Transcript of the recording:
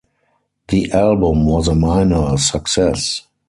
The album was a minor success.